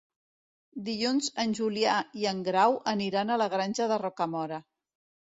Dilluns en Julià i en Grau aniran a la Granja de Rocamora.